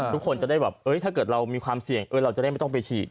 ทุกคนจะได้แบบถ้าเกิดเรามีความเสี่ยงเราจะได้ไม่ต้องไปฉีด